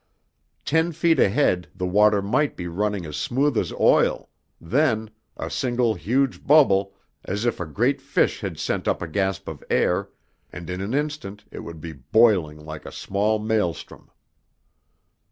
Ten feet ahead the water might be running as smooth as oil, then a single huge bubble, as if a great fish had sent up a gasp of air and in an instant it would be boiling like a small maelstrom.